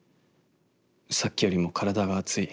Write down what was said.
さっきよりも体が熱い。